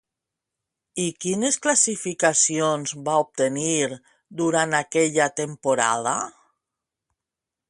I quines classificacions va obtenir durant aquella temporada?